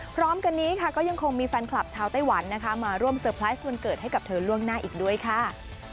พร้อมกันนี้ค่ะก็ยังคงมีแฟนคลับชาวไต้หวันนะคะมาร่วมเซอร์ไพรส์วันเกิดให้กับเธอล่วงหน้าอีกด้วยค่ะ